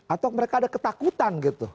atau mereka ada ketakutan gitu